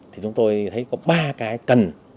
thì chúng tôi thấy có ba cái cần